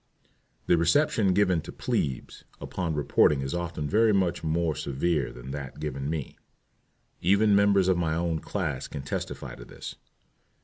The reception given to "plebes" upon reporting is often very much more severe than that given me. Even members of my own class can testify to this.